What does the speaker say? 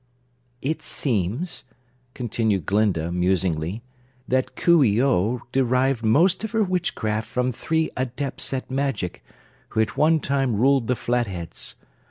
"It seems," continued Glinda musingly, "that Coo ee oh derived most of her witchcraft from three Adepts at Magic, who at one time ruled the Flatheads.